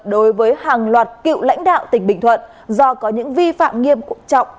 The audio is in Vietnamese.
đối với hàng loạt cựu lãnh đạo tỉnh bình thuận do có những vi phạm nghiêm trọng